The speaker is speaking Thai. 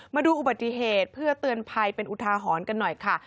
มาดูอุบัติเหตุเพื่อเตือนภัยเป็นอุทาหรณ์กันหน่อยค่ะ